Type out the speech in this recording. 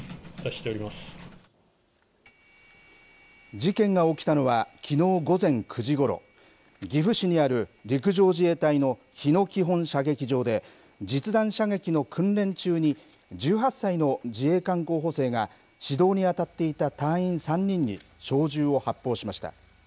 事件が起きたのはきのう午前９時ごろ岐阜市にある陸上自衛隊の日野基本射撃場で実弾射撃の訓練中に１８歳の自衛官候補生が指導に当たっていた隊員３人に小銃を発砲しました。